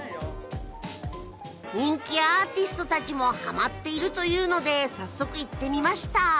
人気アーティストたちもハマっているというので早速行ってみました。